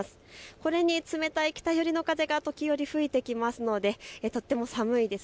これに冷たい北寄りの風が時折吹いてきますのでとても寒いです。